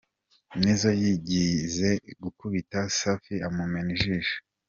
Nizzo yigeze gukubita Safi amumena ijisho.